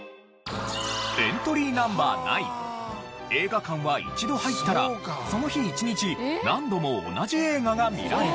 エントリーＮｏ．９映画館は一度入ったらその日一日何度も同じ映画が見られた。